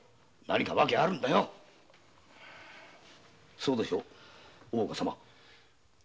そうでしょう大岡様。